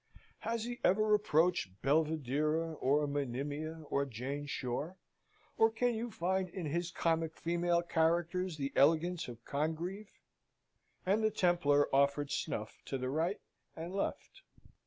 Has he ever approached Belvidera, or Monimia, or Jane Shore; or can you find in his comic female characters the elegance of Congreve?" and the Templar offered snuff to the right and left.